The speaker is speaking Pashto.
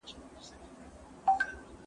زه له سهاره ځواب ليکم؟